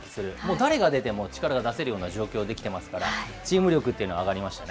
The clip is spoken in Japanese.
誰が出ても力が出せるような状況できてますから、チーム力というのは上がりましたね。